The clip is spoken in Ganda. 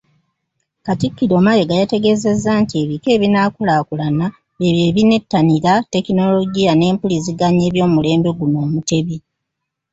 Katikkiro Mayiga yategeezezza nti,“Ebika ebinaakulaakulana byebyo ebinettanira tekinologiya n’empuliziganya eby’omulembe guno Omutebi".